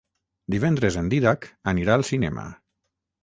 Divendres en Dídac anirà al cinema.